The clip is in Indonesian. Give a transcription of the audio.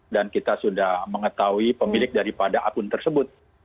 dan kita sudah mengetahui pemilik daripada akun tersebut